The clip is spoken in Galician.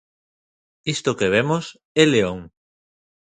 Isto que vemos é León.